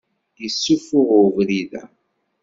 Issufuɣ ubrid-a?